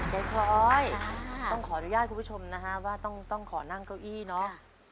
ยายคลอยต้องขออนุญาตคุณผู้ชมนะฮะว่าต้องขอนั่งเก้าอี้เนาะ